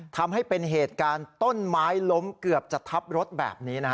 ทำให้เป็นเหตุการณ์ต้นไม้ล้มเกือบจะทับรถแบบนี้นะฮะ